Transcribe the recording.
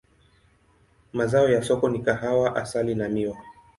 Mazao ya soko ni kahawa, asali na miwa.